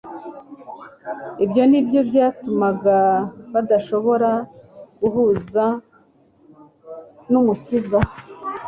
ibyo ni byo byatumaga badashobora guhuza n'Umukiza